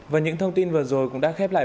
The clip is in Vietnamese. và những thông tin vừa rồi cũng đã khép lại